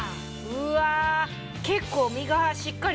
うわ。